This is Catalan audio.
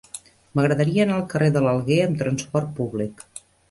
M'agradaria anar al carrer de l'Alguer amb trasport públic.